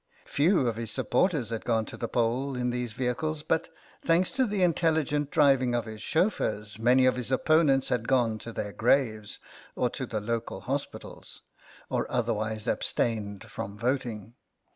Few of his supporters had gone to the poll in these vehicles, but, thanks to the intelligent driving of his chauffeurs, many of his opponents had gone to their graves or to the local hospitals, or otherwise abstained from voting.